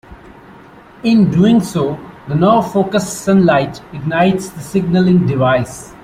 In doing so, the now focused sunlight ignites the signalling device.